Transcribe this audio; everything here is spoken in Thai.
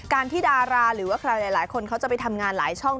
ที่ดาราหรือว่าใครหลายคนเขาจะไปทำงานหลายช่อง